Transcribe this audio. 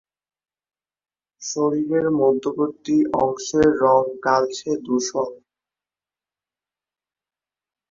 শরীরের মধ্যবর্তী অংশের রং কালচে ধূসর।